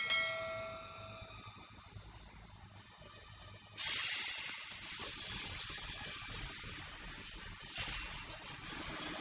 mau jadi kayak gini sih salah buat apa